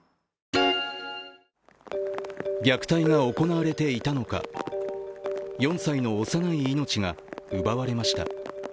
虐待が行われていたのか、４歳の幼い命が奪われました。